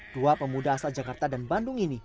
dua pemuda asal jakarta dan bandung ini